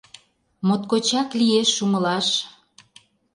Моткочак лиеш умылаш.